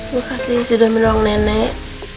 makasih sudah mendorong nenek